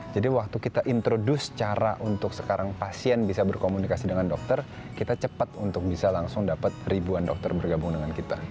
jadi waktu kita introduce cara untuk sekarang pasien bisa berkomunikasi dengan dokter kita cepat untuk bisa langsung dapat ribuan dokter bergabung dengan kita